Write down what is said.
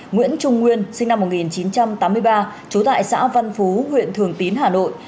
nguyễn trung nguyên sinh năm một nghìn chín trăm tám mươi ba trú tại xã văn phú huyện thường tín hà nội